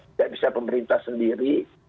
tidak bisa pemerintah sendiri